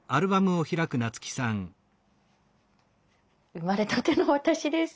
生まれたての私です。